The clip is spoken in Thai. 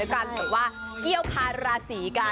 การเห็นว่าเกลี้ยวภารสีกัน